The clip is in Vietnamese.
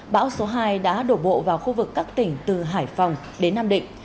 bão số hai đã đổ bộ vào khu vực các tỉnh từ hải phòng đến nam định